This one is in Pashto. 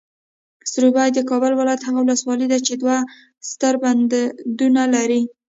سروبي، د کابل ولایت هغه ولسوالۍ ده چې دوه ستر بندونه لري.